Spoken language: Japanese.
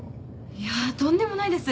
いやとんでもないです